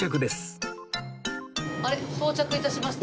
あれ到着致しました。